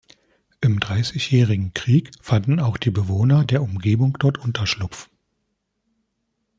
Im Dreißigjährigen Krieg fanden auch die Bewohner der Umgebung dort Unterschlupf.